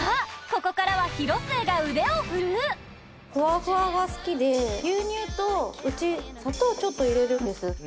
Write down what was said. ここからはフワフワが好きで牛乳とうち砂糖をちょっと入れるんです。